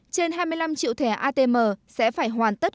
trên hai mươi năm triệu thẻ atm sẽ phải hoàn tất